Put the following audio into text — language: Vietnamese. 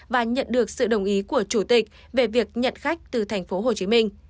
và nhận được sự đồng ý của chủ tịch về việc nhận khách từ tp hcm